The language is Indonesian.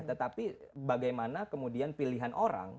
tetapi bagaimana kemudian pilihan orang